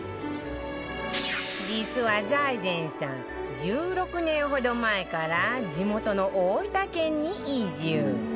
実は財前さん１６年ほど前から地元の大分県に移住